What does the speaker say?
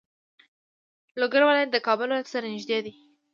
لوګر ولایت د کابل ولایت سره نږدې دی.